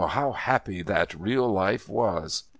how happy that real life was!